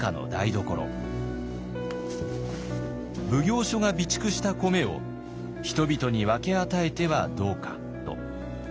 奉行所が備蓄した米を人々に分け与えてはどうかと。